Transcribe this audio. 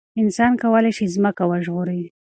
انسان کولای شي ځمکه وژغوري.